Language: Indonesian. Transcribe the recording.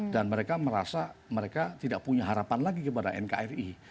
mereka merasa mereka tidak punya harapan lagi kepada nkri